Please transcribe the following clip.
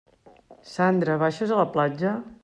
Sandra, baixes a la platja?